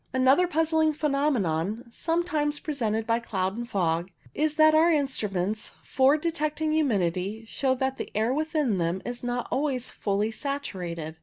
Another puzzling phenomenon, sometimes pre sented by cloud and fog, is that our instruments for detecting humidity show that the air within them is not always fully saturated.